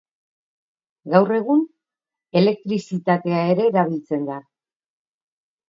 Gaur egun, elektrizitatea ere erabiltzen da.